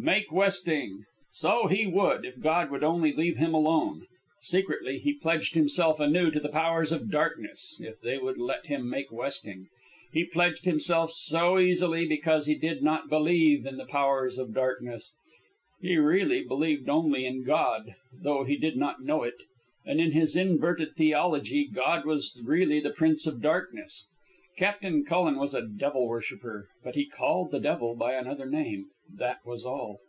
Make westing! So he would, if God would only leave him alone. Secretly, he pledged himself anew to the Powers of Darkness, if they would let him make westing. He pledged himself so easily because he did not believe in the Powers of Darkness. He really believed only in God, though he did not know it. And in his inverted theology God was really the Prince of Darkness. Captain Cullen was a devil worshipper, but he called the devil by another name, that was all.